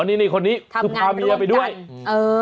อ๋อนี่คนนี้คือพาเมียไปด้วยทำงานร่วมกันเออ